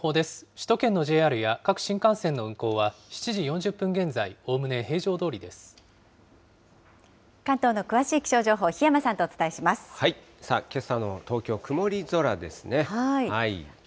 首都圏のＪＲや各新幹線の運行は７時４０分現在、おおむね平常ど関東の詳しい気象情報、檜山けさの東京、曇り空ですね。